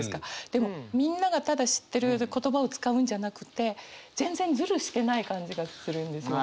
でもみんながただ知ってる言葉を使うんじゃなくて全然ズルしてない感じがするんですよ。